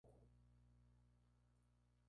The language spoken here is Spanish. Colaboró a organizar los primeros mundiales.